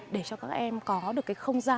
đấy đúng nào